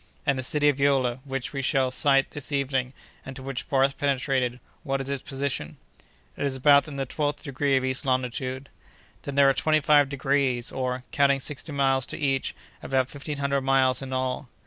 "And the city of Yola, which we shall sight this evening, and to which Barth penetrated, what is its position?" "It is about in the twelfth degree of east longitude." "Then there are twenty five degrees, or, counting sixty miles to each, about fifteen hundred miles in all."